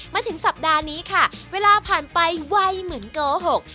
มาถึงสัปดาห์นี้ค่ะเวลาผ่านไปวัยเหมือนโกหก